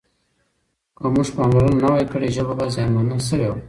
که موږ پاملرنه نه وای کړې ژبه به زیانمنه شوې وای.